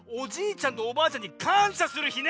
ちゃんとおばあちゃんにかんしゃする日ね！